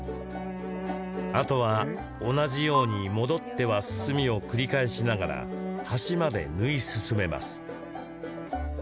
あとは同じように戻っては進みを繰り返しながら端まで縫い進めます。